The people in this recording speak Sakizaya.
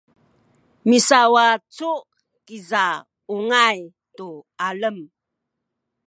misawacu kiza ungay tu alem